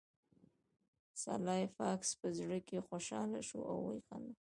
سلای فاکس په زړه کې خوشحاله شو او وخندل